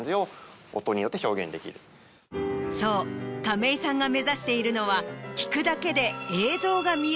そう亀井さんが目指しているのは聴くだけで。